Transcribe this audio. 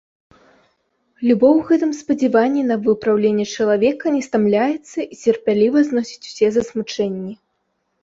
Любоў у гэтым спадзяванні на выпраўленне чалавека не стамляецца і цярпліва зносіць усе засмучэнні.